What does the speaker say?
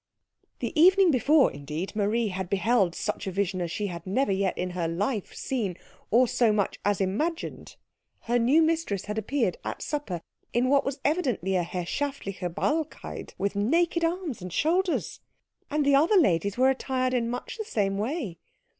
The evening before, indeed, Marie had beheld such a vision as she had never yet in her life seen, or so much as imagined; her new mistress had appeared at supper in what was evidently a herrschaftliche Ballkleid, with naked arms and shoulders, and the other ladies were attired in much the same way.